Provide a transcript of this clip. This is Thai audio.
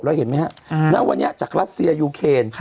เราเห็นมั้ยฮะณวันนี้จากรัสเซียยูเคน